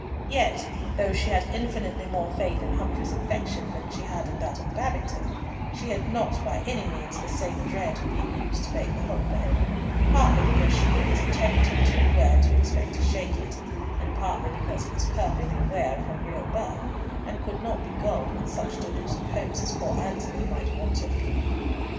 Yet, though she had infinitely more faith in Humfrey's affection than she had in that of Babington, she had not by any means the same dread of being used to bait the hook for him, partly because she knew his integrity too well to expect to shake it, and partly because he was perfectly aware of her real birth, and could not be gulled with such delusive hopes as poor Antony might once have been.